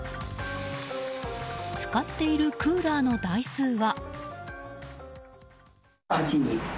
使っているクーラーの台数は。